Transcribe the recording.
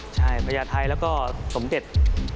ใช่พญาไทยแล้วก็สมเด็จ